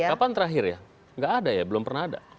kapan terakhir ya nggak ada ya belum pernah ada